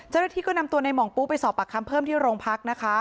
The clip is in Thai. เจ้าหน้าที่ก็นำตัวในหม่องปุ๊ไปสอบปากคำเพิ่มที่โรงพักนะคะ